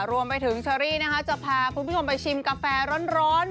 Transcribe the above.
รวมไปถึงเชอรี่นะคะจะพาคุณผู้ชมไปชิมกาแฟร้อน